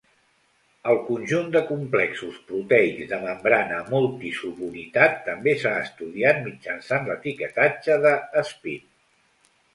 El conjunt de complexos proteics de membrana multi-subunitat també s'ha estudiat mitjançant l'etiquetatge de spin.